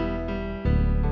aku mau ke tempat usaha